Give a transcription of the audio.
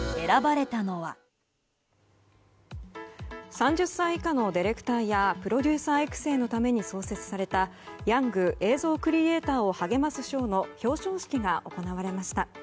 ３０歳以下のディレクターやプロデューサー育成のために創設されたヤング映像クリエーターを励ます賞の表彰式が行われました。